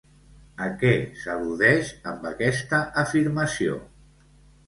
A què s'al·ludeix amb aquesta afirmació?